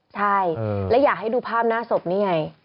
ใช่และอยากให้ดูภาพหน้าศพนี่ไง